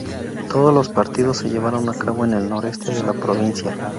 Todos los partidos se llevaron a cabo en el Noroeste de la provincia.